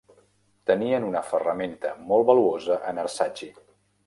Tenien una ferramenta molt valuosa en Arsaci.